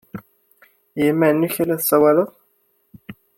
I yiman-nnek ay la tessawaled?